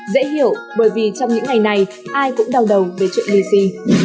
dễ hiểu bởi vì trong những ngày này ai cũng đau đầu về chuyện lì xì